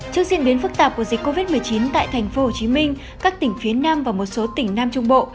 trước diễn biến phức tạp của dịch covid một mươi chín tại tp hcm các tỉnh phía nam và một số tỉnh nam trung bộ